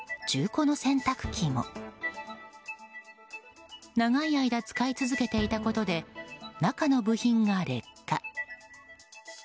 中古の洗濯機も長い間使い続けていたことで中の部品が劣化。